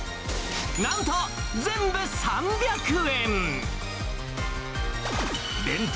なんと全部３００円。